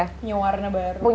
punya warna baru